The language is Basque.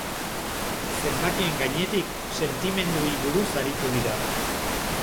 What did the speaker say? Zenbakien gainetik, sentimentuei buruz aritu dira.